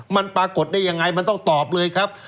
มันปรากฏได้ยังไงมันต้องตอบเลยครับ